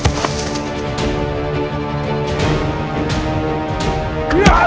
tidak ada yang bisa mengangkat itu